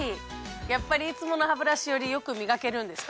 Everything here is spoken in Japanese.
やっぱりいつものハブラシより良くみがけるんですか？